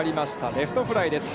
レフトフライです。